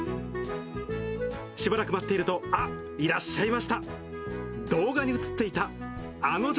しばらく待っていると、あっ、いらっしゃいました。